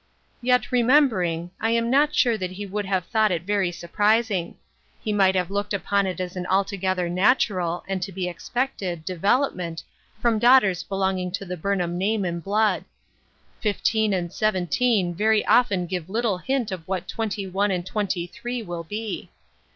Yet, remember ing, I am not sure that he would have thought it very surprising. He might have looked upon it as an altogether natural, and to be expected, development, from daughters belonging to the Burnham name and blood. Fifteen and seven teen very often give little hint of what twenty one and twenty three will be.